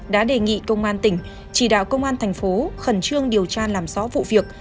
đã đề nghị công an tỉnh chỉ đạo công an thành phố khẩn trương điều tra làm rõ vụ việc